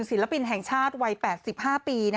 ศิลปินแห่งชาติวัย๘๕ปี